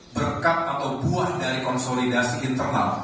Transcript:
berkat atau buah dari konsolidasi internal